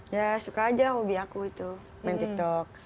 ya suka aja hobi aku itu main tiktok